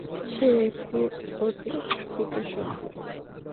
সে একটি অতিপ্রাকৃত সত্তা।